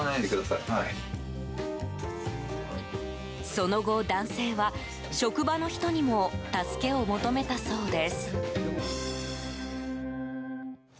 その後、男性は職場の人にも助けを求めたそうです。